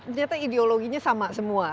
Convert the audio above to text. ternyata ideologinya sama semua